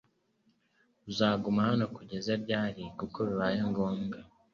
Uzaguma hano kugeza ryari kuko bibaye ngombwa